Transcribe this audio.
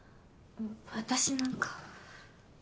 私なんか。